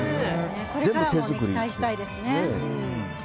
これからも期待したいですね。